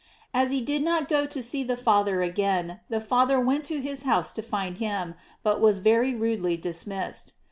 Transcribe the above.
As he did not go to see the Father again, the Father went to his house to find him, but was very rudely dismissed.